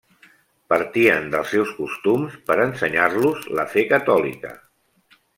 Partien dels seus costums per ensenyar-los la fe catòlica.